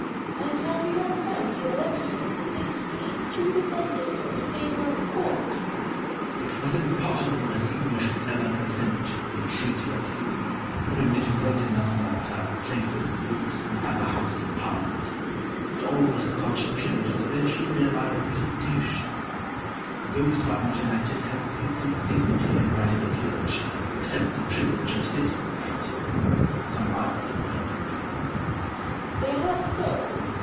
And have you not found the election of the sixteen too dependent on the favour of a court? Argyle. It was impossible that the English could ever consent in the Treaty of Union, to admit a greater number to have places and votes in the Upper House of Parliament, but all the Scotch peerage is virtually there by representation. And those who are not elected have every dignity and right of the peerage, except the privilege of sitting in the House of Lords and some others depending thereon.